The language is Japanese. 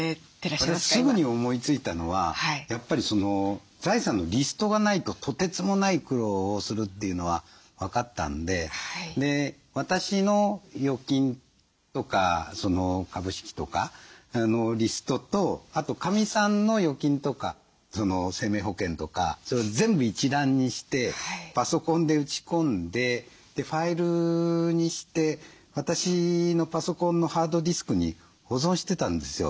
私すぐに思いついたのはやっぱり財産のリストがないととてつもない苦労をするっていうのは分かったんで私の預金とか株式とかのリストとあとかみさんの預金とか生命保険とか全部一覧にしてパソコンで打ち込んでファイルにして私のパソコンのハードディスクに保存してたんですよ。